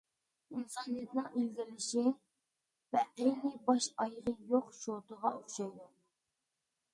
ئىنسانىيەتنىڭ ئىلگىرىلىشى بەئەينى باش-ئايىغى يوق شوتىغا ئوخشايدۇ.